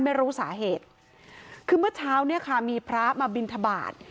ไม่รู้สาเหตุคือเมื่อเช้าเนี่ยค่ะมีพระมาบินทบาท